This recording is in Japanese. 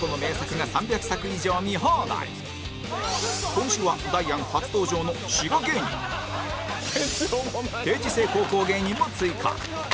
今週はダイアン初登場の定時制高校芸人も追加